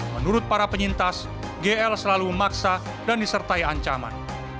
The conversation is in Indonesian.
menurut para penyintas gl selalu memaksa dan disertai ancaman